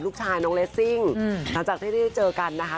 ลูกชายน้องเลสซิ่งหลังจากที่ได้เจอกันนะคะ